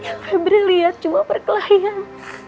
yang febri lihat cuma perkelahian